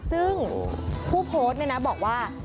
ซึ่งผู้โพสต์เนี่ยนะบอกว่า